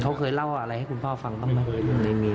เขาเคยเล่าอะไรให้คุณพ่อฟังป่ะไม่มี